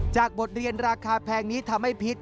บทเรียนราคาแพงนี้ทำให้พิษ